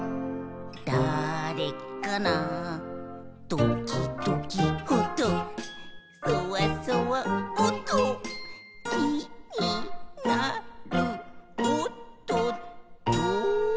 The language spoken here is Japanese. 「どきどきおっとそわそわおっと」「きになるおっとっと」